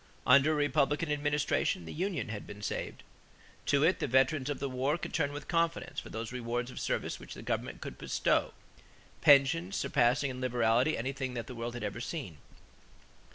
Under a Republican administration, the union had been saved. To it the veterans of the war could turn with confidence for those rewards of service which the government could bestow: pensions surpassing in liberality anything that the world had ever seen.